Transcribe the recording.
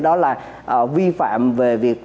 đó là vi phạm về việc